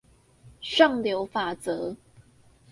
上流法則